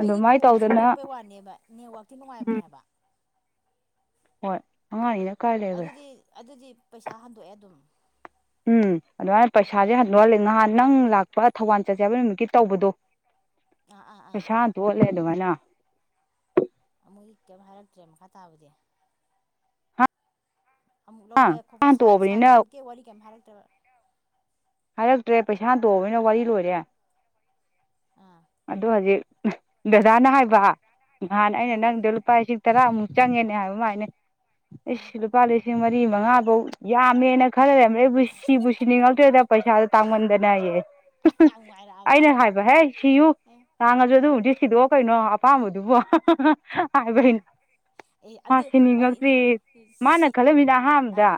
ꯑꯩꯒꯤ ꯐꯣꯟꯁꯦ ꯇꯧꯗꯅ ꯄꯤꯛꯄꯩ ꯋꯥꯅꯦꯕ ꯅꯦꯠꯋꯥꯛꯇꯤ ꯅꯨꯡꯉꯥꯏꯕꯅꯦꯕ ꯍꯣꯏ ꯑꯉꯥꯡꯅꯤꯅ ꯀꯥꯏ ꯂꯩꯈ꯭ꯔꯦ ꯑꯗꯨꯗꯤ ꯑꯗꯨꯗꯤ ꯄꯩꯁꯥ ꯍꯟꯗꯣꯛꯑꯦ ꯑꯗꯨꯝ ꯎꯝ ꯑꯗꯨꯃꯥꯏꯅ ꯄꯩꯁꯥꯁꯦ ꯍꯟꯗꯣꯛꯍꯂ ꯅꯍꯥꯟ ꯅꯪ ꯂꯥꯛꯄ ꯊꯧꯕꯥꯜ ꯆꯠꯆꯕ ꯅꯨꯃꯤꯠꯀꯤ ꯇꯧꯕꯗꯣ ꯑꯥ ꯑꯥ ꯑꯥ ꯄꯁꯥꯟꯇ ꯑꯣꯏꯂꯦꯗ ꯍꯅ ꯤꯛ ꯀꯝ ꯍꯥꯏꯔꯛꯇ꯭ꯔꯦ ꯃꯈꯥ ꯇꯥꯕꯗꯤ ꯍꯥ ꯑꯃꯨꯛ ꯄꯩꯁꯥ ꯂꯧꯒꯦ ꯈꯣꯠꯄ ꯁꯥꯒꯦ ꯍꯟꯇꯣꯛꯑꯕꯅꯤꯅ ꯈꯣꯠꯀꯦ ꯋꯥꯔꯤ ꯀꯔꯤꯝ ꯍꯥꯏꯔꯛꯇꯕ ꯍꯥꯏꯔꯛꯇ꯭ꯔꯦ ꯄꯩꯁꯥ ꯇꯣꯛꯑꯕꯅꯤꯅ ꯋꯥꯔꯤ ꯂꯣꯏꯔꯦ ꯑꯥ ꯑꯗꯣ ꯍꯧꯖꯤꯛ ꯗꯗꯥꯅ ꯍꯥꯏꯕ ꯅꯍꯥꯟ ꯑꯩꯅ ꯑꯥ ꯅꯪꯗ ꯂꯨꯄꯥ ꯂꯤꯁꯤꯡ ꯇꯔꯥꯃꯨꯛ ꯆꯪꯉꯦꯅꯦ ꯍꯥꯏꯕ ꯃꯥꯥꯏꯅꯦ ꯑꯥ ꯏꯁꯁ ꯂꯨꯄꯥ ꯂꯤꯁꯤꯡ ꯃꯔꯤ ꯃꯉꯥꯐꯧ ꯌꯥꯝꯃꯦꯅ ꯈꯔ ꯂꯩꯔꯝ ꯑꯩꯕꯨ ꯁꯤꯕꯨ ꯁꯤꯅꯤꯡꯉꯛꯇꯣꯏꯦꯗ ꯄꯩꯁꯥꯗꯣ ꯇꯥꯡꯃꯟꯗꯅꯌꯦ ꯑꯁ ꯌꯥꯝ ꯅꯨꯡꯉꯥꯏꯔꯛꯑꯕ ꯑꯩꯅ ꯍꯥꯏꯕꯍꯦ ꯁꯤꯌꯨ ꯑꯥ ꯍꯥꯡꯉꯁꯨ ꯑꯥ ꯑꯗꯨꯕꯨꯗꯤ ꯁꯤꯗꯣꯛꯑꯣ ꯀꯩꯅꯣ ꯑꯄꯥꯝꯕꯗꯣ ꯑꯗꯨꯕꯣ ꯑꯥ ꯍꯥꯏꯕꯅ ꯑꯦ ꯃꯥ ꯑꯗꯨ ꯋꯥꯔꯤꯅꯤ ꯁꯤꯅꯤꯉꯛꯇ꯭ꯔꯤ ꯃꯥꯅ ꯁꯤ ꯈꯜꯂꯝꯃꯤꯅ ꯑꯍꯥꯟꯕꯗ ꯑꯥ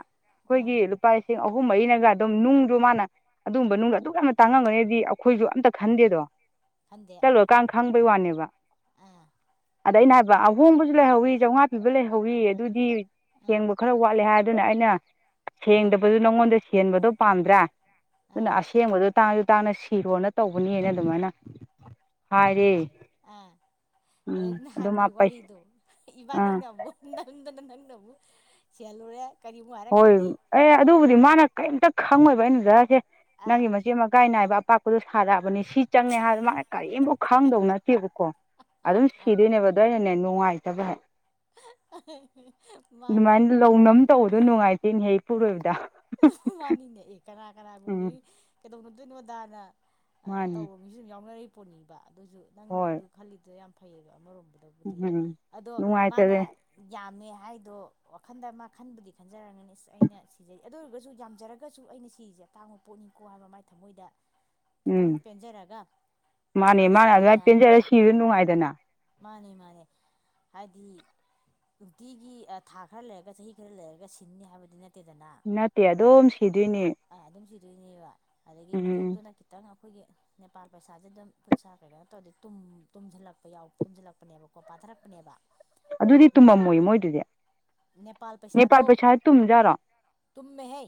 ꯑꯥ ꯂꯨꯄꯥ ꯂꯤꯁꯤꯡ ꯑ ꯒꯨꯝꯕꯩꯅꯒ ꯑꯗꯨꯝ ꯅꯨꯡꯁꯨ ꯃꯥꯅ ꯑꯗꯨꯒꯨꯝꯕ ꯗ ꯑꯗꯨꯛ ꯌꯥꯝꯅ ꯇꯥꯡꯉꯝꯒꯅꯤꯗꯤ ꯑꯩꯈꯣꯏꯁꯨ ꯑꯝꯇ ꯈꯟꯗꯦꯗꯣ ꯈꯟꯗꯦ ꯑꯥ ꯆꯠꯂꯨꯔꯀꯥꯟ ꯈꯪꯕꯩ ꯋꯥꯅꯦꯕ ꯑꯥ ꯑꯗ ꯑꯩꯅ ꯍꯥꯏꯕ ꯑꯍꯣꯡꯕꯁꯨ ꯑꯥ ꯂꯩꯍꯧꯋꯤ ꯆꯥꯝꯃꯉꯥ ꯄꯤꯕ ꯂꯩꯍꯧꯋꯤ ꯑꯗꯨꯗꯤ ꯑꯥ ꯁꯦꯡꯕ ꯈꯔ ꯋꯥꯠꯂꯦ ꯍꯥꯏꯕ ꯑꯗꯨꯅ ꯑꯩꯅ ꯁꯦꯡꯗꯕꯗꯨ ꯅꯉꯣꯟꯗ ꯁꯦꯟꯕꯗꯣ ꯄꯥꯝꯗ꯭ꯔꯥ ꯑꯗꯨꯅ ꯑꯥ ꯑꯁꯦꯡꯕꯗꯣ ꯇꯥꯡꯁꯨ ꯇꯥꯡꯅ ꯁꯤꯔꯣꯅ ꯇꯧꯕꯅꯤꯅ ꯑꯗꯨꯃꯥꯏꯅ ꯍꯥꯏꯔꯦ ꯑ ꯑꯗꯩ ꯎꯝ ꯑꯗꯨ ꯅꯍꯥꯟꯒꯤ ꯃꯥ ꯄꯩꯁꯥ ꯋꯥꯔꯤꯗꯣ ꯑꯥ ꯏꯕꯥꯅꯤꯅ ꯑꯃꯨꯛ ꯅꯪꯗꯅ ꯅ ꯍꯌꯥꯦꯜꯔ ꯍꯣꯏ ꯑꯦ ꯑꯗꯨꯕꯨꯗꯤ ꯃꯥꯅ ꯀꯔꯤꯝꯇ ꯈꯪꯉꯣꯏꯕ ꯑꯩꯅ ꯖꯥꯔꯁꯦ ꯅꯪꯒꯤ ꯑꯥ ꯃꯆꯦ ꯑꯃ ꯀꯥꯏ ꯅꯥꯏꯕ ꯄꯥꯛꯄꯗꯣ ꯁꯥꯔꯛꯑꯕꯅꯤ ꯁꯤ ꯆꯪꯉꯦ ꯍꯥꯏꯕꯗ ꯃꯥꯅ ꯀꯔꯤꯝꯨꯛ ꯈꯪꯗꯧ ꯅꯠꯇꯦꯕꯀꯣ ꯑꯥ ꯑꯗꯨꯝ ꯑꯥ ꯁꯤꯗꯣꯏꯅꯦꯕ ꯑꯗꯨꯗ ꯑꯩꯅꯅꯦ ꯅꯨꯡꯉꯥꯏꯇꯕ ꯃꯥꯅꯦ ꯑꯗꯨ ꯅꯨꯡꯉꯥꯏꯇꯦꯅꯦꯍꯦꯛ ꯏꯄꯨꯔꯣꯏꯕꯗ ꯃꯥꯅꯤꯅꯦ ꯑꯦ ꯀꯅꯥ ꯎꯝ ꯀꯅꯥꯒꯨꯝꯕꯒꯤ ꯀꯩꯗꯧꯅꯗꯣꯏꯅꯣ ꯗꯥꯅ ꯃꯥꯅꯤ ꯇꯧꯕ ꯃꯤꯁꯨ ꯑꯗꯨꯨꯝ ꯌꯥꯎꯅꯔ ꯄꯣꯠꯅꯤꯕ ꯑꯗꯨꯁꯨ ꯅꯪꯅ ꯑꯗꯨ ꯈꯜꯂꯤꯗꯨ ꯌꯥꯝ ꯐꯩꯌꯦꯕ ꯑꯃꯔꯣꯝꯗ ꯍꯝꯅꯨꯡꯥꯏ ꯅ ꯌꯥꯝ ꯍꯥꯏꯗꯣ ꯋꯥꯈꯟꯗ ꯑꯃ ꯈꯟꯕꯨꯗꯤ ꯈꯟꯖꯔꯒꯅꯤ ꯑꯁ ꯑꯩꯅ ꯁꯤꯖꯩ ꯑꯗꯨ ꯑꯣꯏꯔꯒꯁꯨ ꯌꯥꯝꯖꯔꯒꯁꯨ ꯑꯩꯅ ꯐꯤꯁꯦ ꯑꯇꯥꯡꯕ ꯄꯣꯠꯅꯤꯀꯣ ꯍꯥꯏꯕ ꯃꯥꯏ ꯊꯃꯣꯏꯗ ꯎꯝ ꯈꯤꯇꯪ ꯄꯦꯟꯖꯔꯒ ꯃꯥꯅꯦ ꯑꯩ ꯃꯥꯅ ꯁꯤꯃ ꯑꯗꯨꯥꯏ ꯄꯦꯟꯖꯔꯒ ꯌꯥꯕꯗꯒꯤ ꯁꯤꯕꯁꯨ ꯑꯥ ꯅꯨꯡꯉꯥꯏꯗꯅ ꯃꯥꯅꯦ ꯃꯥꯅꯦ ꯍꯥꯏꯗꯤ ꯅꯨꯡꯇꯤꯒꯤ ꯊꯥ ꯈꯔ ꯂꯩꯔꯒ ꯆꯍꯤ ꯈꯔ ꯂꯩꯔꯒ ꯁꯤꯟꯅꯤ ꯍꯥꯏꯕꯗꯤ ꯅꯠꯇ ꯅꯠꯇꯦ ꯑꯗꯨꯝ ꯁꯤꯗꯣꯏꯅꯦ ꯑꯗꯨꯅꯦꯕ ꯑꯗꯒꯤ ꯎꯝ ꯈꯨꯗꯣꯞꯇꯨꯅ ꯈꯤꯇꯪ ꯑꯩꯈꯣꯏꯒꯤ ꯅꯦꯄꯥꯜ ꯄꯩꯁꯥꯁꯦ ꯑꯗꯨꯝ ꯈꯨꯠꯁꯥ ꯀꯩꯅꯣ ꯇꯧꯔꯗꯤꯦ ꯇꯨꯝꯁꯤꯜꯂꯛꯄ ꯌꯥꯎ ꯇꯨꯝꯁꯤꯜꯂꯛꯄꯅꯦꯕꯀꯣ ꯆꯠꯊꯔꯛꯄꯅꯦꯕ ꯑꯗꯨꯗꯤ ꯇꯨꯝꯃꯝꯃꯣꯏ ꯃꯣꯏꯗꯨꯗꯤ ꯅꯦꯄꯥꯜ ꯄꯩꯁꯥ ꯇꯨꯝꯖꯥꯔꯣ ꯇꯨꯝꯃꯦ ꯍꯦ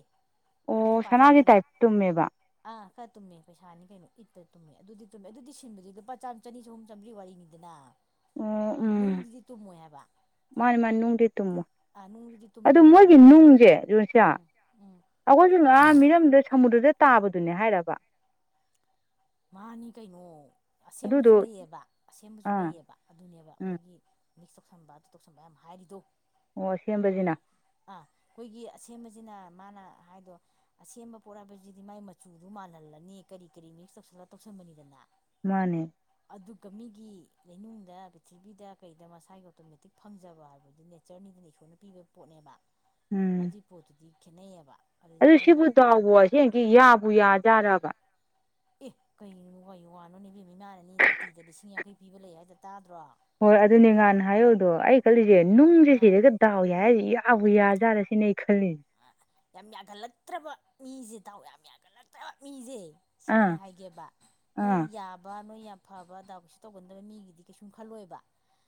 ꯑꯗꯨꯗꯤ ꯑꯣ ꯁꯅꯥꯒꯤ ꯄꯥꯇ꯭ꯔꯄꯅꯤ ꯇꯥꯏꯞ ꯇꯨꯝꯃꯦꯕ ꯑꯥ ꯈ ꯇꯨꯝꯃꯦ ꯄꯩꯁꯥꯅꯤ ꯀꯩꯅꯣ ꯏꯠꯇ ꯇꯨꯝꯃꯦ ꯑꯗꯨꯗꯤ ꯇꯨꯝꯃꯦ ꯑꯗꯨꯗꯤ ꯁꯤꯟꯕꯗꯤ ꯂꯨꯄꯥ ꯆꯥꯝ ꯆꯅꯤ ꯆꯍꯨꯝ ꯆꯥꯝꯃꯔꯤ ꯋꯥꯔꯤꯅꯤꯗꯅ ꯑꯣ ꯎꯝ ꯅꯨꯡꯗꯨꯗꯤ ꯇꯨꯝꯃꯣꯏ ꯍꯥꯏꯕ ꯃꯥꯅꯦ ꯃꯥ ꯅꯅꯨꯡꯗꯤ ꯇꯨꯝꯃꯣ ꯑꯥ ꯅꯨꯡꯗꯨꯗꯤ ꯑꯗꯨ ꯃꯣꯏꯒꯤ ꯇꯨꯝꯗꯕꯅꯦꯕ ꯅꯨꯡꯁꯦ ꯑꯗꯨꯁꯤ ꯎꯝ ꯎꯝ ꯑꯩꯈꯣꯏꯁꯨ ꯉꯥ ꯃꯤꯔꯝꯗ ꯁ ꯗꯨꯗ ꯇꯥꯕꯗꯨꯅꯦ ꯍꯥꯏꯔꯕ ꯃꯥꯅꯤ ꯀꯥꯏꯅꯣ ꯑꯁꯦꯝꯕꯁꯨ ꯑꯗꯨꯗꯣ ꯂꯩꯌꯦꯕ ꯑꯁꯦꯝꯕꯁꯨ ꯑꯥ ꯂꯩꯑꯕ ꯑꯗꯨꯅꯦꯕ ꯎꯝ ꯃꯣꯏꯒꯤ ꯃꯤꯁ ꯇꯧꯁꯟ ꯗꯨ ꯇꯧꯁꯕꯌꯥꯝ ꯍꯥꯏꯔꯤꯗꯣ ꯑꯣ ꯁꯦꯝꯕꯁꯤꯅ ꯑꯩꯈꯣꯏꯒꯤ ꯑꯁꯦꯝꯕꯁꯤꯅ ꯃꯥꯅ ꯍꯥꯏꯗꯣ ꯑꯁꯦꯝꯕ ꯄꯣꯔꯛꯕꯁꯤꯗꯤ ꯃꯥꯥꯏ ꯃꯆꯨꯗꯨ ꯃꯥꯜꯍꯜꯂ ꯅꯅꯤ ꯀꯔꯤ ꯀꯔꯤ ꯃꯤꯛꯁ ꯇꯧꯁꯜꯂ ꯇꯧꯁꯟꯕꯅꯤꯗꯅ ꯃꯥꯅꯦ ꯑꯗꯨꯒ ꯃꯤꯒꯤ ꯂꯩꯅꯨꯡꯗ ꯄ꯭ꯔꯤꯊꯤꯕꯤꯗ ꯀꯩꯗ ꯃꯁꯥꯒꯤ ꯑꯣꯇꯣꯃꯦꯇꯤꯛ ꯐꯪꯖꯕ ꯍꯥꯏꯕꯗꯨ ꯅꯦꯆꯔꯅꯤ ꯑꯗꯨꯩꯅ ꯏꯁꯣꯔꯅ ꯄꯤꯕ ꯄꯣꯠꯅꯦꯕ ꯎꯝ ꯑꯗꯨꯒꯤ ꯄꯣꯠꯇꯨꯗꯤ ꯈꯦꯠꯅꯩꯌꯦꯕ ꯑꯗꯨꯗꯤ ꯑꯗꯨ ꯃꯣꯏꯅ ꯁꯤꯕꯨ ꯗꯥꯎꯕꯣ ꯁꯤꯁꯤ ꯌꯥꯕꯨ ꯌꯥꯖꯥꯔꯕ ꯑꯦ ꯀꯩꯅꯅꯣ ꯀꯨ ꯋꯥꯅꯣꯅꯦꯕꯦꯝ ꯏꯃꯥꯅꯅꯤ ꯔꯥꯇꯤꯗ ꯂꯤꯁꯤꯡ ꯌꯥꯡꯈꯩ ꯄꯤꯕ ꯂꯩ ꯍꯥꯏꯗ ꯇꯥꯗ꯭ꯔꯣ ꯑꯥ ꯍꯣꯏ ꯑꯗꯨꯅꯦ ꯉꯍꯥꯟ ꯍꯥꯏꯌꯣꯗꯣ ꯑꯩ ꯈꯜꯂꯤꯁꯦ ꯅꯨꯡꯁꯦ ꯁꯤꯔꯒ ꯗꯥꯎꯏ ꯌꯥꯏ ꯍꯥꯏꯗꯤ ꯑꯏꯌꯥꯖꯔꯁꯤꯅꯦ ꯑꯩ ꯈꯜꯅꯤ ꯑ ꯌꯥꯝ ꯌꯥꯒꯠꯂꯛꯇ꯭ꯔꯕ ꯃꯤꯁꯦ ꯇꯥꯎ ꯌꯥꯝ ꯌꯥꯒꯠꯂꯛꯇ꯭ꯔꯕ ꯃꯤꯁꯦ ꯁꯦꯡꯅ ꯑꯥ ꯍꯥꯏꯒꯦꯕ ꯅꯣꯏ ꯑꯥ ꯌꯥꯕ ꯅꯣꯏ ꯌꯥꯝ ꯐꯕ ꯑꯗꯥ ꯀꯩꯁꯨ ꯇꯧꯒꯟꯗꯕ ꯃꯤꯒꯤꯗꯤ ꯀꯩꯁꯨꯝ ꯈꯜꯂꯣꯏꯕ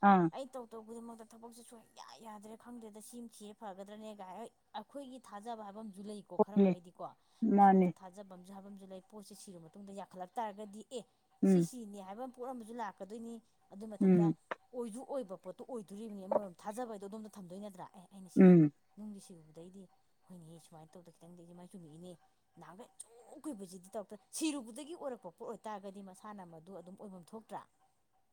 ꯑꯥ ꯑꯩ ꯇꯧ ꯇꯧ ꯈꯨꯗꯃꯛꯇ ꯑ ꯊꯕꯛꯁꯦ ꯁꯨꯡꯌꯥ ꯌꯥꯗ꯭ꯔꯦ ꯈꯪꯗ꯭ꯔꯦꯗ ꯁꯤ ꯁꯤꯦ ꯐꯒꯗ꯭ꯔꯅꯦꯒꯥꯏ ꯍ ꯑꯩꯈꯣꯏꯒꯤ ꯊꯥꯖꯕ ꯍꯥꯏꯕ ꯑꯃ ꯁꯨ ꯂꯩꯀꯣ ꯈꯔ ꯍꯣꯏꯅꯦ ꯃꯈꯩꯗꯤꯀꯣ ꯃꯥꯅꯦ ꯏꯁꯣꯔꯗ ꯊꯥꯖꯐꯝꯁꯨ ꯍꯥꯏꯕꯝꯁꯨ ꯂꯩ ꯄꯣꯠꯁꯦ ꯁꯤꯔ ꯃꯇꯨꯡꯗ ꯌꯥꯈꯠꯂꯛ ꯇꯥꯔꯒꯗꯤ ꯑꯦ ꯎꯝ ꯁꯤꯁꯤꯅꯤ ꯍꯥꯏꯕ ꯑꯃ ꯄꯣꯠ ꯑꯃꯁꯨ ꯂꯥꯛꯀꯗꯣꯏꯅꯤ ꯑꯗꯨꯏ ꯎꯝ ꯃꯊꯛꯇ ꯑꯣꯏꯁꯨ ꯑꯣꯏꯕ ꯄꯣꯠꯇꯨ ꯑꯣꯏꯗꯣꯔꯤꯕꯅꯤ ꯑꯃꯔꯣꯝ ꯊꯥꯖꯕ ꯍꯥꯏꯗꯣ ꯑꯗꯣꯝꯗ ꯊꯝꯗꯣꯏ ꯅꯠꯇ꯭ꯔꯥ ꯑꯦ ꯑꯩꯅ ꯁꯤ ꯎꯝ ꯅꯨꯡꯒꯤ ꯁꯤꯕꯗ ꯑꯗꯩꯗꯤ ꯍꯣꯏꯅꯦ ꯁꯨꯃꯥꯏꯅ ꯇꯧꯗ ꯈꯤꯇꯪ ꯃꯥꯏ ꯆꯨꯝꯃꯤꯏꯅꯦ ꯅꯍꯥꯟꯈꯆ ꯀꯨꯏꯕꯁꯤꯗꯤ ꯇꯧ ꯆꯨꯕꯗꯒꯤ ꯑꯣꯏꯔꯛꯄ ꯄꯣꯠ ꯑꯣꯏꯇꯥꯔꯒꯗꯤ ꯃꯁꯥꯅ ꯃꯗꯨ ꯑꯗꯨꯝ ꯑꯣꯏꯐꯝ ꯊꯣꯛꯇ꯭ꯔꯥ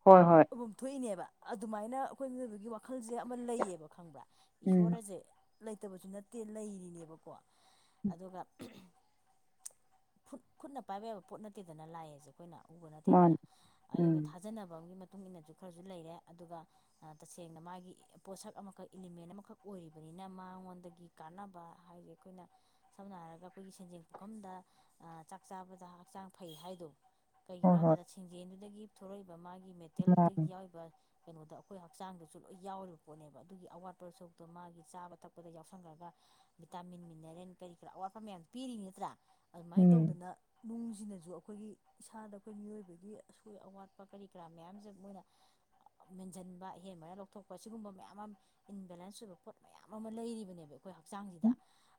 ꯍꯣꯏ ꯍꯣꯏ ꯑꯐꯝ ꯊꯣꯛꯏꯅꯦꯕ ꯑꯗꯨꯃꯥꯏꯅ ꯑꯩꯈꯣꯏ ꯃꯤꯑꯣꯕꯒꯤ ꯋꯥꯈꯜ ꯃꯈꯜꯁꯦ ꯑꯃ ꯂꯩꯌꯦꯕ ꯈꯪꯕ꯭ꯔꯥ ꯎꯝ ꯏꯁꯣꯔ ꯑꯁꯦ ꯂꯩꯇꯕꯁꯨ ꯅꯠꯇꯦ ꯂꯩꯔꯤꯅꯦꯕꯀꯣ ꯑꯗꯨꯒ ꯠ ꯈꯨꯠꯅ ꯄꯥꯏꯕ ꯌꯥꯕ ꯄꯣꯠ ꯅꯠꯇꯦꯗꯅ ꯂꯥꯛꯑꯁꯦ ꯑꯩꯈꯣꯏꯅ ꯎꯕ ꯅꯠꯇꯦꯗꯅ ꯃꯥꯅꯤ ꯑꯩꯅ ꯎꯝ ꯊꯥꯖꯅꯕ ꯑꯃꯒꯤ ꯃꯇꯨꯡ ꯏꯟꯅꯁꯨ ꯈꯔꯁꯨ ꯂꯩꯔꯦ ꯑꯗꯨꯒ ꯇꯁꯦꯡꯅ ꯃꯥꯒꯤ ꯄꯣꯠꯁꯛ ꯑꯃꯈꯛ ꯏꯂꯤꯃꯦꯟ ꯑꯃꯈꯛ ꯑꯣꯏꯔꯤꯕꯅꯤ ꯏ ꯃꯥ ꯗꯒꯤ ꯀꯥꯟꯅꯕ ꯍꯥꯏꯁꯦ ꯑꯩꯈꯣꯏꯅ ꯁꯝꯅ ꯍꯥꯏꯔꯒ ꯑꯩꯈꯣꯏꯒꯤ ꯁꯦꯟꯖꯦꯡ ꯄꯨꯈꯝꯗ ꯆꯥꯛ ꯆꯥꯕꯗ ꯆ ꯍꯛꯆꯥꯡ ꯐꯩ ꯍꯥꯏꯗꯣ ꯀꯩꯒꯤꯅꯣ ꯍꯣꯏ ꯍꯥꯏꯕ ꯍꯣꯏ ꯃꯇꯝꯗ ꯁꯤꯡꯖꯦꯟꯗꯨꯗꯒꯤ ꯊꯣꯛꯂꯛꯏꯕ ꯃꯥꯒꯤ ꯃꯥꯅꯤ ꯃꯦꯇꯦꯜꯗꯨꯗꯒꯤ ꯌꯥꯎꯔꯤꯕ ꯀꯩꯅꯣꯗ ꯑꯩꯈꯣꯏ ꯍꯛꯆꯥꯡꯗꯁꯨ ꯂꯣꯏ ꯌꯥꯎꯔꯤꯕ ꯄꯣꯠꯅꯦꯕ ꯑꯗꯨꯒꯤ ꯑꯋꯥꯠꯄ ꯁꯔꯨꯛꯇꯣ ꯃꯥꯒꯤ ꯆꯥꯕ ꯊꯛꯄ ꯗ ꯌꯥꯎꯁꯟꯈ꯭ꯔꯒ ꯚꯤꯇꯥꯃꯤꯟ ꯃꯤꯅꯔꯦꯜ ꯀꯔꯤ ꯀꯔꯥ ꯑꯋꯥꯠꯄ ꯃꯌꯥꯝ ꯄꯤꯔꯤ ꯅꯠꯇ꯭ꯔꯥ ꯑꯗꯨꯃꯥꯏꯅ ꯎꯝ ꯇꯧꯗꯅ ꯅꯨꯡꯁꯤꯅꯁꯨ ꯑꯩꯈꯣꯏꯒꯤ ꯏꯁꯥꯗ ꯑꯩꯈꯣꯏ ꯃꯤꯑꯣꯏꯕꯒꯤ ꯑꯁꯣꯏ ꯑꯋꯥꯠꯄ ꯀꯔꯤ ꯀꯔꯥ ꯃꯌꯥꯝꯁꯦ ꯃꯣꯏꯅ ꯃꯦꯟꯁꯤꯟꯕ ꯑꯍꯦꯟꯕꯅ ꯂꯧꯊꯣꯛꯄ ꯁꯤꯒꯨꯝꯕ ꯃꯌꯥꯝ ꯑꯃ ꯏꯟꯕꯦꯂꯦꯟꯁ ꯑꯣꯏꯕ ꯄꯣꯠ ꯃꯌꯥꯝ ꯑꯃ ꯑꯃ ꯂꯩꯔꯤꯕꯅꯦꯕ ꯑꯩꯈꯣꯏ ꯍꯛꯆꯥꯡꯁꯤꯗ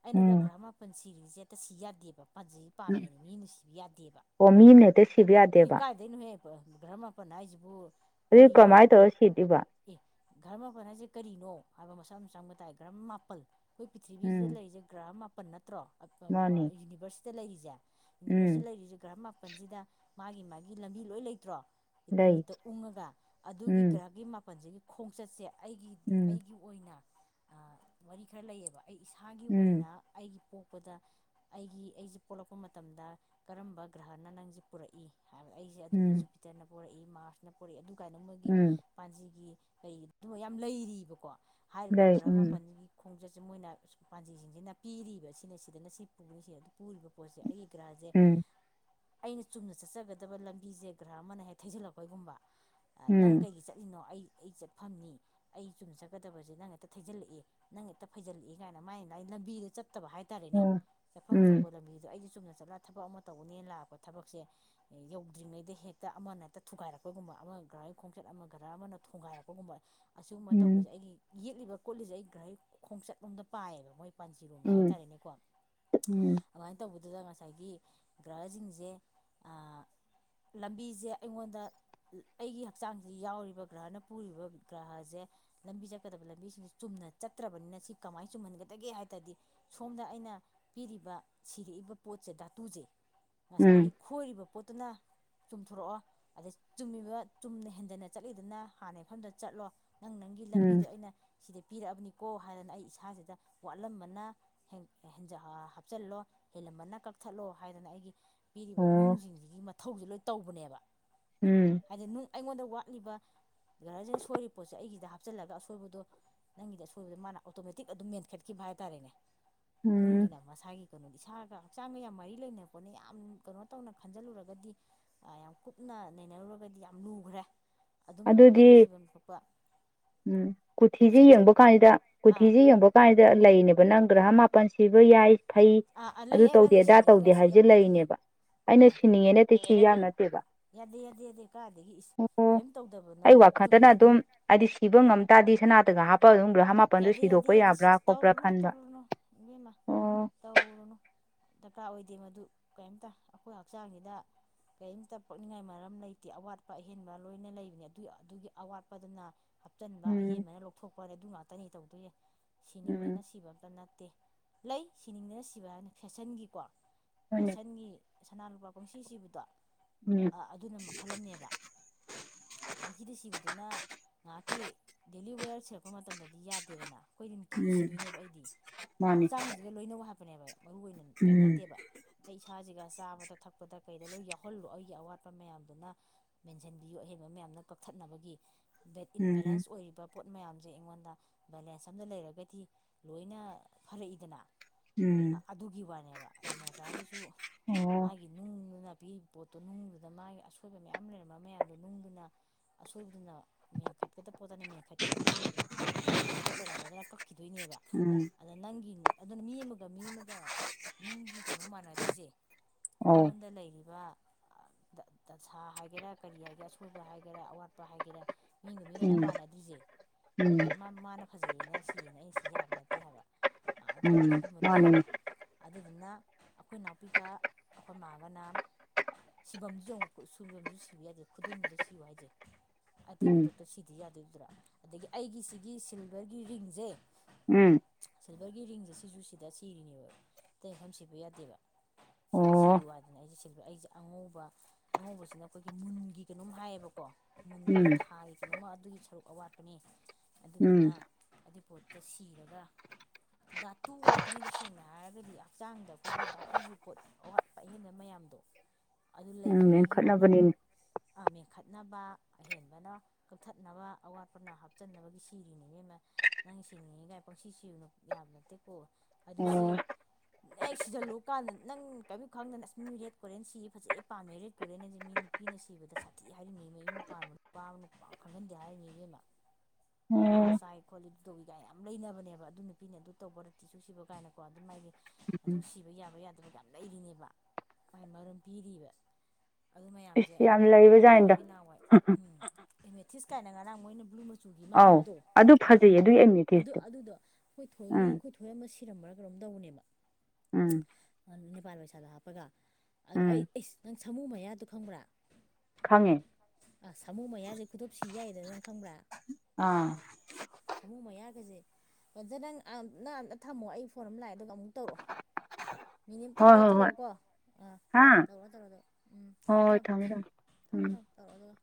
ꯑꯩꯅꯒ ꯎꯝ ꯒ꯭ꯔꯍ ꯃꯥꯄꯟ ꯁꯤꯔꯤꯁꯦ ꯍꯦꯛꯇ ꯁꯤ ꯌꯥꯗꯦꯕ ꯄꯥꯟꯖꯤ ꯎꯝ ꯄꯥꯝꯃꯦꯅ ꯃꯤ ꯅꯨꯡꯁꯤꯕ ꯌꯥꯗꯦꯕ ꯑꯣ ꯃꯤ ꯑꯃꯅ ꯍꯦꯛꯇ ꯁꯤꯕ ꯌꯥꯗꯦꯕ ꯏꯀꯥꯏꯗꯣꯏꯅꯣꯍꯦ ꯙ꯭ꯔꯃꯥꯄꯟ ꯍꯥꯏꯁꯤꯕꯨ ꯑꯗꯨ ꯀꯔꯤꯅꯣ ꯀꯃꯥꯏꯅ ꯇꯧꯔ ꯁꯤꯗꯣꯏꯕ ꯑꯦ ꯒꯔꯃꯄꯟ ꯍꯥꯏꯁꯦ ꯀꯔꯤꯅꯣ ꯍꯥꯏꯕ ꯝ ꯆꯪꯕ ꯇꯥꯏ ꯒ꯭ꯔꯥꯝ ꯃꯥꯄꯟ ꯑꯩꯈꯣꯏ ꯄꯔꯤꯊꯤꯕꯤꯁꯤꯗ ꯎꯝ ꯂꯩꯁꯦꯒ꯭ꯔꯥꯝ ꯃꯥꯄꯜ ꯅꯠꯇ꯭ꯔꯣ ꯃꯥꯅꯤ ꯌꯨꯅꯤꯚꯔꯁꯇ ꯂꯩꯔꯤꯁꯦ ꯎꯝ ꯌꯨꯅꯤꯚꯔꯁꯇ ꯂꯩꯔꯤꯁꯦ ꯒ꯭ꯔ ꯃꯥꯄꯜꯁꯤꯗ ꯃꯥꯒꯤ ꯃꯥꯒꯤ ꯂꯝꯕꯤ ꯂꯣꯏ ꯂꯩꯇ꯭ꯔꯣ ꯂꯩ ꯅꯨꯃꯤꯠꯇ ꯎꯡꯉꯒ ꯑꯗꯨꯒꯤ ꯎꯝ ꯒ꯭ꯔꯍꯛꯀꯤ ꯃꯥꯄꯜꯁꯤꯒꯤ ꯈꯣꯡꯆꯠꯁꯦ ꯑꯩꯒꯤꯗꯤ ꯎꯝ ꯑꯩꯒꯤ ꯑꯣꯏꯅ ꯋꯥꯔꯤ ꯈꯔ ꯂꯩꯌꯦꯕ ꯑꯩ ꯏꯁꯥꯒꯤ ꯎꯝ ꯑꯣꯏꯅ ꯑꯩꯒꯤ ꯄꯣꯛ ꯄꯄꯗ ꯑꯩꯒꯤ ꯑꯩꯁꯦ ꯄꯣꯛꯂꯛꯄ ꯃꯇꯝꯗ ꯀꯔꯝꯕ ꯒ꯭ꯔꯍꯅ ꯅꯪꯁꯦ ꯄꯨꯔꯛꯏ ꯍꯥꯏꯕ ꯑꯩꯁꯦ ꯑꯗꯨꯅ ꯎꯝ ꯖꯨꯄꯤꯇꯔꯅ ꯄꯣꯔꯛꯏ ꯃꯥꯔꯁꯅ ꯄꯣꯔꯛꯏ ꯑꯗꯨ ꯀꯥꯏꯅ ꯃꯣꯏꯒꯤ ꯎꯝ ꯄꯥꯟꯖꯤꯒꯤ ꯀꯒꯤ ꯑꯗꯨꯒ ꯌꯥꯝ ꯂꯩꯔꯤꯕꯀꯣ ꯍꯥꯏꯔꯤꯕ ꯂꯩ ꯎꯝ ꯒ꯭ꯔꯃꯥꯄꯟꯒꯤ ꯈꯣꯡꯆꯠꯁꯦ ꯃꯣꯏꯅ ꯄꯥꯟꯖꯤꯁꯤꯡꯁꯤꯅ ꯄꯤꯔꯤꯕꯁꯤꯅ ꯁꯤꯗꯅ ꯁꯤ ꯄꯨꯕꯅꯤ ꯁꯤꯗ ꯑꯗꯨ ꯄꯨꯔꯤꯕ ꯄꯣꯠꯁꯦ ꯑꯩꯒꯤ ꯒ꯭ꯔꯥꯁꯦ ꯎꯝ ꯑꯩꯅ ꯆꯨꯝꯅ ꯆꯠꯆꯒꯗꯕ ꯂꯝꯕꯤꯁꯦ ꯒ꯭ꯔꯥ ꯑꯃꯅ ꯍꯦꯛ ꯊꯩꯖꯜꯂꯛꯄꯒꯨꯝꯕ ꯅꯪ ꯎꯝ ꯀꯩꯒꯤ ꯆꯠꯂꯤꯅꯣ ꯑꯩ ꯑꯩ ꯆꯠꯐꯝꯅꯤ ꯑꯩ ꯆꯨꯝ ꯆꯠꯀꯗꯕꯁꯦ ꯅꯪ ꯍꯦꯛꯇ ꯊꯩꯖꯤꯜꯂꯛꯑꯦ ꯅꯪ ꯍꯦꯛꯇ ꯐꯩꯜꯂꯛꯏ ꯀꯥꯏꯅ ꯃꯥꯏꯅ ꯑꯩ ꯂꯝꯕꯤꯗ ꯆꯠ ꯐꯠꯇꯕ ꯍꯥꯏꯇꯥꯔꯦꯅꯦ ꯑꯣ ꯆꯠꯐꯝ ꯎꯝ ꯊꯣꯛꯄ ꯂꯝꯕꯤꯗꯣ ꯑꯩ ꯆꯨꯝꯅ ꯆꯠꯂꯒ ꯊꯕꯛ ꯑꯃ ꯇꯧꯕꯅꯦꯅ ꯂꯥꯛꯄ ꯊꯕꯛꯁꯦ ꯌꯧꯗ꯭ꯔꯤꯉꯩꯗ ꯍꯦꯛꯇ ꯑꯃꯅ ꯍꯦꯛꯇ ꯊꯨꯒꯥꯏꯔꯛꯄꯒꯨꯝꯕ ꯑꯃ ꯒ꯭ꯔꯥꯒꯤ ꯈꯣꯡꯆꯠ ꯑꯃ ꯒꯔ ꯑꯃꯅ ꯊꯣꯡꯒꯥꯏꯔꯛꯄꯒꯨꯝꯕ ꯎꯝ ꯑꯁꯤꯒꯨꯝꯕ ꯇꯧꯕꯁꯦ ꯎꯝ ꯑꯩꯒꯤ ꯌꯦꯛꯂꯤꯕ ꯈꯣꯠꯂꯤꯁꯦ ꯑꯩ ꯒ꯭ꯔꯩ ꯈꯣꯡꯆꯠꯂꯣꯝꯗ ꯄꯥꯏꯌꯦꯕ ꯃꯣꯏ ꯄꯥꯟꯖꯤꯔꯣꯡꯗ ꯍꯥꯏꯇꯥꯔꯦ ꯅꯦꯀꯣ ꯎꯝ ꯑꯗꯨꯃꯥꯏꯅ ꯇꯧꯕꯗ ꯑꯗꯨꯗ ꯉꯁꯥꯏꯒꯤ ꯒ꯭ꯔꯍꯁꯤꯡꯁꯦ ꯂꯝꯕꯤꯁꯦ ꯑꯩꯉꯣꯟꯗ ꯑꯩꯒꯤ ꯍꯛꯆꯥꯡꯁꯤ ꯌꯥꯎꯔꯤꯕ ꯒ꯭ꯔꯍꯅ ꯄꯨꯔꯤꯕ ꯒ꯭ꯔꯍꯁꯦ ꯂ ꯂꯝꯕꯤ ꯆꯖ ꯀꯗ ꯂ ꯂꯝꯕꯤ ꯁꯤ ꯆꯨꯝꯅ ꯆꯠꯇ꯭ꯔꯕꯅꯤꯅ ꯁꯤ ꯀꯃꯥꯏꯅ ꯆꯨꯝꯍꯟꯒꯗꯒꯦ ꯍꯥꯏꯕꯗꯤ ꯁꯣꯝꯗ ꯑꯩꯅ ꯄꯤꯔꯤꯕ ꯁꯤꯔꯤ ꯂꯏꯕ ꯄꯣꯠꯁꯦ ꯙꯇꯨꯁꯦ ꯉꯁꯥꯏꯒꯤ ꯎꯝ ꯈꯣꯏꯔꯤꯕ ꯄꯣꯠꯇꯨꯅ ꯆꯨꯝꯊꯣꯔꯛꯑꯣ ꯑꯗꯩ ꯆꯨꯝꯃꯤꯕ ꯆꯨꯝꯅ ꯍꯦꯟꯗꯅ ꯆꯠꯂꯤꯗꯅ ꯍꯥꯟꯅ ꯃꯐꯝꯗ ꯆꯠꯂꯣ ꯅꯪ ꯅꯪꯒꯤ ꯎꯝ ꯂꯝꯕꯤꯗꯣ ꯑꯩꯅ ꯁꯤꯗ ꯄꯤꯔꯛꯑꯕꯅꯤꯀꯣ ꯍꯥꯏꯗꯅ ꯑꯩ ꯏꯁꯥꯁꯤꯗ ꯋꯥꯠꯂꯝꯕꯅ ꯍꯥꯞꯆꯤꯜꯂꯣ ꯍꯦꯜꯂꯝꯃꯟꯅ ꯀꯛꯊꯠꯂꯣ ꯍꯥꯏꯗꯅ ꯑꯩꯒꯤ ꯄꯤꯔꯤꯕ ꯑꯣ ꯅꯨꯡꯁꯤꯡꯁꯤꯒꯤ ꯃꯊꯧꯁꯤ ꯂꯣꯏ ꯇꯧꯕꯅꯦꯕ ꯎꯝ ꯍꯥꯏꯗꯤ ꯅꯨꯡ ꯑꯩꯉꯣꯟꯗ ꯋꯥ ꯊꯛꯂꯤꯕ ꯒꯔꯁꯤꯅ ꯁꯣꯏꯔꯤꯕ ꯄꯣꯠꯁꯦ ꯑꯩꯒꯤꯗ ꯍꯥꯞꯆꯤꯜꯂꯒ ꯑꯁꯣꯏꯕꯗꯣ ꯅꯪꯒꯤꯗꯤ ꯑꯁꯣꯏꯕꯗ ꯃꯥꯅ ꯑꯣꯇꯣꯃꯦꯇꯤꯛ ꯑꯗꯨꯝ ꯃꯦꯟꯈꯠꯈꯤꯕ ꯍꯥꯏꯇꯥꯥꯔꯦꯅꯦ ꯎꯝ ꯅꯗꯨꯅꯃ ꯁꯒꯤ ꯀꯅꯣꯗꯤ ꯁ ꯍꯛꯆꯥꯡꯒ ꯌꯥꯝ ꯃꯔꯤ ꯂꯩꯅꯔꯛꯄꯅꯦ ꯌꯥꯝ ꯀꯩꯅꯣ ꯇꯧꯅ ꯈꯟꯖꯤꯜꯂꯨꯔꯒꯗꯤ ꯌꯥꯝ ꯀꯨꯞꯅ ꯅꯩꯅꯔꯨ ꯒꯗꯤ ꯌꯥꯝ ꯂꯨꯈ꯭ꯔꯦ ꯑꯗꯨꯝ ꯑꯩꯈꯣꯏꯅ ꯑꯗꯨꯗꯤ ꯁꯤꯐꯝ ꯈꯣꯠꯄ ꯀꯣꯊꯤꯁꯦ ꯌꯦꯡꯕ ꯀꯥꯟꯁꯤꯗ ꯀꯣꯊꯤꯁꯦ ꯌꯦꯡꯕ ꯀꯥꯟꯁꯤꯗ ꯂꯩꯅꯦꯕ ꯅꯪ ꯒ꯭ꯔꯍꯥ ꯃꯥꯄꯟꯁꯤ ꯁꯤꯕ ꯌꯥꯏ ꯐꯩ ꯑꯥ ꯑꯥ ꯑꯗꯨ ꯂꯩꯍꯦ ꯇꯧꯗꯦ ꯅꯪꯅ ꯑꯗꯥ ꯇꯧꯗꯦ ꯁꯤꯅꯤꯡꯉꯦꯒ ꯁꯤ ꯍꯥꯏꯕꯁꯦ ꯌꯥꯄꯣꯠꯇꯦꯍꯦ ꯂꯩꯔꯤꯅꯦꯕ ꯑꯩꯅ ꯑꯥ ꯁꯤꯅꯤꯡꯉꯦ ꯅꯠꯇꯦ ꯁꯤ ꯌꯥꯗꯦ ꯌꯥꯝ ꯅꯠꯇꯦꯕ ꯌꯥꯗꯦ ꯌꯥꯗꯦ ꯀꯥꯏꯗꯒꯤ ꯏꯁ ꯑꯣ ꯀꯔꯤꯝ ꯇꯧꯗꯕ ꯑꯩ ꯅꯪꯕꯨ ꯆꯨꯝꯅ ꯋꯥꯈꯟꯗꯅ ꯑꯗꯨꯝ ꯍꯥꯏꯗꯤ ꯁꯤꯕ ꯉꯝ ꯇꯥꯔꯗꯤ ꯁꯅꯥꯇꯒ ꯍꯥꯞꯄꯒ ꯑꯗꯨꯝ ꯒ꯭ꯔꯍ ꯃꯥꯄꯜꯗꯨ ꯌꯥꯗ ꯌꯥꯗꯤ ꯁꯤꯗꯣꯛꯄ ꯌꯥꯗꯤ ꯁꯤ ꯌꯥꯕ꯭ꯔꯥ ꯈꯣꯠꯄ꯭ꯔꯥ ꯇꯧꯔꯨꯅꯨ ꯈꯟꯕ ꯇꯧꯔꯨꯅꯣ ꯃ ꯑꯣ ꯇꯧꯔꯨꯅ ꯗꯔꯀꯥꯔ ꯑꯣꯏꯗꯦ ꯃꯗꯨ ꯀꯔꯤꯝꯇ ꯑꯩꯈꯣꯏ ꯍꯛꯆꯥꯡꯁꯤꯗ ꯀꯔꯤꯝꯇ ꯄꯣꯛꯅꯤꯡꯉꯥꯏ ꯃꯔꯝ ꯂꯩꯇꯦ ꯑꯋꯥꯠꯄ ꯑꯍꯦꯟꯕ ꯂꯣꯏꯅ ꯂꯩꯕꯅꯤ ꯑꯗꯨ ꯑꯗꯨꯒꯤ ꯑꯋꯥꯠꯄꯗꯨꯅ ꯍꯥꯞꯆꯤꯟꯕ ꯎꯝ ꯑꯍꯦꯟꯕꯅ ꯂꯧꯊꯣꯛꯄ ꯑꯗꯨ ꯉꯥꯛꯇꯅꯤ ꯇꯧꯗꯣꯏꯌꯦ ꯎꯝ ꯁꯤꯅꯤꯡꯗꯅ ꯁꯤꯕ ꯑꯝꯇ ꯅꯠꯇꯦ ꯂꯩ ꯁꯤꯅꯤꯗꯅ ꯁꯤꯕ ꯍꯥꯏꯅ ꯐꯦꯁꯟꯒꯤꯀꯣ ꯍꯣꯏꯅꯦ ꯐꯦꯁꯟꯒꯤ ꯁꯅꯥ ꯂꯨꯄꯥ ꯀꯨꯝꯁꯤ ꯁꯤꯕꯗꯣ ꯎꯝ ꯑꯗꯨꯅ ꯈꯜꯂꯝꯅꯦꯕ ꯄꯨꯟꯁꯤꯗ ꯁꯤꯕꯗꯨꯅ ꯉꯥꯏꯍꯥꯛꯀꯤ ꯗꯦꯂꯤ ꯋꯦꯌꯔ ꯁꯤꯔꯛꯄ ꯃꯇꯝꯗ ꯗꯤ ꯌꯥꯗꯦꯗꯅ ꯑꯩꯈꯣꯏ ꯅꯨꯡꯇꯤ ꯎꯝ ꯁꯤꯗꯣꯏꯅꯦꯕ ꯑꯩꯗꯤ ꯃꯥꯅꯤ ꯍꯛꯆꯥꯡꯁꯤꯒ ꯂꯣꯏꯅꯕ ꯍꯥꯞꯄꯅꯦꯕ ꯑꯩ ꯃꯔꯨ ꯑꯣꯏꯅ ꯀꯔꯤꯝ ꯎꯝ ꯅꯠꯇꯦꯕ ꯑꯩ ꯏꯁꯥꯁꯤꯒ ꯆꯥꯕꯗ ꯊꯛꯄꯗ ꯀꯩꯗ ꯂꯣꯏ ꯌꯥꯎꯍꯜꯂꯣ ꯑꯩꯒꯤ ꯑꯋꯥꯠꯄ ꯃꯌꯥꯝꯗꯨꯅ ꯃꯦꯟꯁꯤꯟꯕꯤꯌꯨ ꯑꯍ ꯀ ꯃꯌꯥꯝꯅ ꯀꯛꯊꯠꯅꯕꯒꯤ ꯎꯝ ꯏꯟꯕꯦꯂꯦꯟꯁ ꯑꯣꯏꯔꯤꯕ ꯄꯣꯠ ꯃꯌꯥꯝꯁꯦ ꯑꯩꯉꯣꯟꯗ ꯕꯦꯂꯦꯟꯁ ꯑꯝꯗ ꯂꯩꯔꯒꯗꯤ ꯂꯣꯏꯅ ꯐꯠꯂꯛꯏꯗꯅ ꯎꯝ ꯑꯗꯨꯒꯤ ꯋꯥꯅꯦꯕ ꯑꯗꯩ ꯃꯣꯖꯥꯒꯤꯁꯨ ꯑꯣ ꯃꯥꯒꯤ ꯅꯨꯡꯗꯨꯅ ꯄꯤꯕ ꯄꯣꯠꯇꯣ ꯅꯨꯡꯗꯨꯗ ꯃꯥꯒꯤ ꯑꯁꯣꯏꯕ ꯃꯌꯥꯝ ꯂꯩꯔꯝꯕ ꯃꯌꯥꯝꯗꯣ ꯅꯨꯡꯗꯨꯅ ꯑꯁꯣꯏꯕꯗꯨꯅ ꯃꯦꯟꯈꯠꯀꯗꯕ ꯄꯣꯠꯇꯅ ꯃꯦꯟꯈꯠꯈꯤꯗꯣꯏꯅꯤ ꯑꯍꯦꯟꯕ ꯄꯣꯠ ꯂꯩꯔꯝꯕꯗꯅ ꯀꯛꯈꯤꯗꯣꯏꯅꯦꯕ ꯎꯝ ꯑꯗ ꯅꯪꯒꯤ ꯑꯗꯨꯅ ꯃꯤ ꯑꯃꯒ ꯃꯤ ꯑꯃꯒ ꯅꯨꯡꯒꯤ ꯀꯩꯅꯣ ꯃꯥꯟꯅꯗ꯭ꯔꯤꯁꯦ ꯑꯧ ꯅꯪꯉꯣꯟꯗ ꯂꯩꯔꯤꯕ ꯑ ꯗ ꯗꯁꯥ ꯍꯥꯏꯒꯦꯔꯥ ꯀꯔꯤ ꯍꯥꯏꯒꯦꯔꯥ ꯑꯁꯣꯏꯕ ꯍꯥꯏꯒꯦꯔꯥ ꯑꯋꯥꯠꯄ ꯍꯥꯏꯒꯦꯔꯥ ꯃꯤꯝꯒ ꯃꯤꯒ ꯑꯝꯇ ꯎꯝ ꯃꯥꯟꯅꯗ꯭ꯔꯤꯁꯦ ꯑꯗꯨ ꯃꯥ ꯃꯥꯅ ꯐꯖꯩꯌꯦꯅ ꯁꯤꯌꯦꯅ ꯑꯩꯅ ꯁꯤ ꯌꯥꯕ ꯅꯠꯇꯦ ꯍꯥꯏꯕ ꯑ ꯎꯝ ꯎꯝ ꯑꯗꯨꯒꯨꯝꯕ ꯃꯥꯅꯤꯅꯦ ꯂꯩꯌꯦꯕ ꯑꯗꯨꯗꯨꯅ ꯑꯈꯣꯏ ꯅꯥꯎꯄꯤꯒ ꯑꯈꯣꯏ ꯃꯥꯒꯅ ꯁꯤꯐꯝꯁꯨ ꯌꯦꯡꯉꯣ ꯈꯨ ꯁꯨ ꯁꯤꯕ ꯌꯥꯗꯦ ꯈꯨꯗꯣꯝꯕꯤꯗ ꯁꯤꯌꯨ ꯍꯥꯏꯁꯦ ꯑꯇꯩ ꯎꯝ ꯈꯨꯗꯛꯇ ꯁꯤꯗꯤ ꯌꯥꯗꯣꯏꯗꯨ꯭ꯔꯥ ꯑꯗꯒꯤ ꯑꯩꯒꯤ ꯁꯤꯒꯤ ꯁꯤꯜꯚꯔꯒꯤ ꯔꯤꯡꯁꯦ ꯎꯝ ꯁꯤꯜꯚꯔꯒꯤ ꯔꯤꯡꯁꯦ ꯁꯤꯁꯨ ꯁꯤꯗ ꯁꯤꯔꯤꯅꯦꯕ ꯑꯇꯩ ꯃꯐꯝ ꯁꯤꯕ ꯌꯥꯗꯦꯕ ꯁꯤꯗ ꯑꯣ ꯁꯤꯌꯨ ꯍꯥꯏꯗꯅ ꯑꯩꯁꯦ ꯁꯤꯜꯚꯔ ꯑꯩꯁꯦ ꯑꯉꯧꯕ ꯑꯉꯧꯕꯁꯤꯅ ꯈꯣꯏꯒꯤ ꯃꯨꯟꯒꯤ ꯀꯩꯅꯣꯝ ꯍꯥꯏꯌꯦꯕꯀꯣ ꯑꯣ ꯎꯝ ꯃꯨꯟꯒꯤ ꯊꯥꯒꯤ ꯀꯩꯅꯣꯃ ꯑꯗꯨꯒꯤ ꯁꯔꯨꯛ ꯑꯋꯥꯠꯄꯅꯦ ꯎꯝ ꯑꯗꯨꯗꯨꯅ ꯑꯗꯨꯏ ꯄꯣꯠꯇ ꯁꯤꯔꯒ ꯗꯥꯇꯨ ꯉꯥꯛꯇꯅꯤꯗ ꯁꯦꯡꯅ ꯍꯥꯏꯔꯒꯗꯤ ꯍꯛꯆꯥꯡꯗ ꯑꯈꯣꯏꯒꯤ ꯗꯥꯇꯨꯒꯤ ꯄꯣꯠ ꯑꯋꯥꯠꯄ ꯑꯍꯦꯟꯕ ꯃꯌꯥꯝ [inaudible] ꯑꯗꯨ ꯎꯝ ꯂꯩꯕ ꯃꯤꯒꯤ ꯋꯥꯅꯦꯕ ꯃꯦꯟꯈꯠꯅꯕꯅꯤꯅꯦ ꯑ ꯃꯦꯟꯈꯠꯅꯕ ꯑꯍꯦꯟꯕꯅ ꯀꯛꯊꯠꯅꯕ ꯑꯋꯥꯠꯄꯅ ꯍꯥꯞ ꯆꯟꯅꯕꯒꯤ ꯁꯤꯔꯤꯅꯦ ꯃꯦꯝꯃ ꯅꯪ ꯁꯤꯅꯤꯡꯉꯤꯒꯥꯏ ꯄꯪꯁꯤ ꯁꯤꯔꯨꯅꯨ ꯌꯥꯕ ꯅꯠꯇꯦꯀꯣ ꯑꯗꯨ ꯁꯤ ꯑꯣ ꯑꯦ ꯁꯤꯖꯜꯂꯨ ꯀꯥꯟꯗ ꯅꯪ ꯀꯥꯏꯕꯤꯌꯨ ꯈꯪꯗꯅ ꯑꯁ ꯃꯤ ꯔꯦꯠ ꯀꯣꯔꯦꯟ ꯁꯤ ꯐꯖꯩ ꯄꯥꯝꯃꯦ ꯔꯦꯗ ꯀꯣꯔꯦꯟ ꯍꯥꯏꯁꯦ ꯃꯤꯅꯤ ꯅꯨꯄꯤꯅ ꯁꯤꯕꯗ ꯁꯥꯊꯤ ꯍꯥꯏꯔꯤꯅꯤ ꯃꯌꯨꯝ ꯄꯥꯟꯕ ꯅꯨꯄꯥ ꯑꯃꯅ ꯄꯥ ꯈꯪꯍꯟꯗꯦ ꯍꯥꯏꯔꯤꯅꯤ ꯏꯕꯦꯝꯃ [inaudible] ꯅꯨꯄꯥ ꯆꯥꯏ ꯈꯣꯠꯂꯤ ꯗꯨ ꯇꯧꯋꯤꯒꯥꯏ ꯌꯥꯝ ꯂꯩꯅꯕꯅꯦꯕ ꯑꯗꯨ ꯅꯨꯄꯤꯅ ꯑꯗꯨ ꯇꯧꯕ ꯔꯥꯇꯤꯁꯨꯨ ꯁꯤꯕ ꯀꯥꯏꯅꯀꯣ ꯑꯗꯨ ꯃꯥꯥꯏꯒꯤ ꯑꯗꯨꯝ ꯁꯤꯕ ꯌꯥꯕ ꯌꯥꯗꯕ ꯌꯥꯝ ꯂꯩꯔꯤꯅꯦꯕ ꯃꯥꯏ ꯃꯔꯝ ꯄꯤꯔꯤꯕ ꯑꯗꯨ ꯃꯌꯥꯝꯁꯦ ꯏꯁ ꯌꯥꯝ ꯑꯈꯣꯏ ꯂꯩꯕꯖꯥꯠꯅꯤꯗ ꯊꯣꯏꯕꯤ ꯅꯥꯎꯋꯥꯏ ꯎꯝ ꯑꯦꯃꯦꯊꯤꯁ ꯀꯥꯏꯅ ꯉꯔꯥꯡ ꯃꯣꯏꯅ ꯕ꯭ꯂꯨ ꯃꯥ ꯆꯨꯒꯤ ꯑꯃ ꯑꯧ ꯍꯥꯏꯕꯗꯣ ꯑꯗꯨ ꯑ ꯐꯖꯩꯌꯦ ꯑꯗꯨꯒꯤ ꯑꯗꯨ ꯑꯦꯃꯤꯊꯤꯁꯇꯣ ꯑꯗꯨꯗꯣ ꯑꯩꯈꯣꯏ ꯊꯣꯏꯒꯤ ꯎꯝ ꯑꯩꯈꯣꯏ ꯊꯣꯏ ꯑꯃ ꯁꯤꯔꯝꯕ꯭ꯔꯥ ꯀꯩꯔꯣꯝ ꯇꯧꯕꯅꯦꯕ ꯎꯝ ꯅꯤꯄꯥꯜ ꯄꯩꯁꯥꯗꯣ ꯍꯥꯞꯄꯒ ꯎꯝ ꯑꯩ ꯑꯦꯁ ꯁꯥꯃꯨ ꯃꯌꯥꯇꯨ ꯈꯪꯕ꯭ꯔꯥ ꯈꯪꯉꯦ ꯑ ꯁꯃꯨ ꯃꯥꯌꯥꯁꯦ ꯈꯨꯗꯣꯞ ꯁꯤ ꯌꯥꯏꯌꯦꯗꯨ ꯅꯪ ꯈꯪꯕ꯭ꯔꯥ ꯑꯥ ꯑꯣꯖ ꯅꯪ ꯑꯟ ꯅ ꯑꯝꯇ ꯊꯝꯃꯣ ꯑꯩ ꯐꯣꯔꯝ ꯂꯥꯛꯑꯦ ꯑꯗꯨꯒ ꯑꯃꯨꯛ ꯇꯧꯔꯛꯑꯣ ꯃꯤꯅꯤꯝꯇꯪ ꯍꯣꯏ ꯂꯩꯔ ꯍꯣꯏ ꯍꯣꯏ ꯇꯧꯔꯛꯑꯣꯀꯣ ꯑꯥ ꯍꯥ ꯇꯧꯔꯣ ꯇꯧꯔ ꯑꯗꯨ ꯎꯝ ꯍꯣꯏ ꯊꯝꯃꯣ ꯍꯣꯏ ꯊꯝ ꯊꯝꯃꯦ ꯊꯝꯃꯦ ꯊꯃꯣ ꯎꯝ ꯊꯝ ꯇꯧꯔꯛ ꯑꯗꯨꯒ